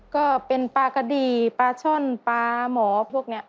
ก็เป็นปลากะดีปลาช่อนปลาหมอพวกนี้